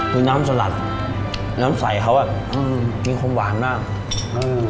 คือน้ำสลัดน้ำใสเขาอ่ะอืมมีความหวานมากอืม